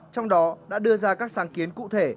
trong đó đã đưa ra các sáng kiến cụ thể